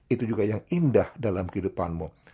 itu juga yang indah dalam kehidupanmu